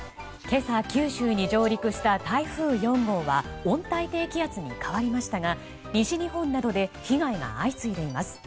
今朝、九州に上陸した台風４号は温帯低気圧に変わりましたが西日本などで被害が相次いでいます。